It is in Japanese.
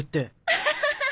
アハハハ！